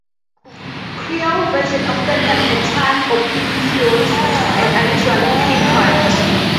Creole versions often have tan or pink hues and are usually piquant.